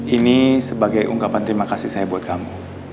ini sebagai ungkapan terima kasih saya buat kamu